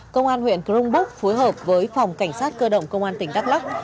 công an huyện cronbúc phối hợp với phòng cảnh sát cơ động công an tỉnh đắk lắk